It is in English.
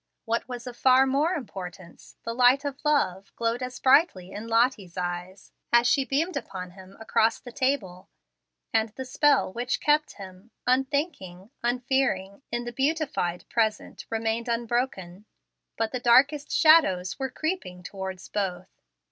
What was of far more importance, the light of love glowed as brightly in Lottie's eyes, as she beamed upon him across the table; and the spell which kept him, unthinking, unfearing, in the beatified present remained unbroken. But the darkest shadows were creeping towards both.